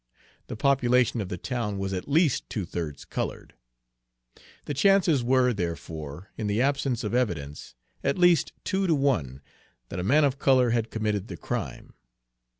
The population of the town was at least two thirds colored. The chances were, therefore, in the absence of evidence, at least two to one that a man of color had committed the crime.